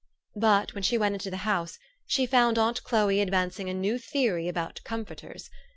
But, when she went into the house, she found aunt Chloe advancing a new theory about comforters.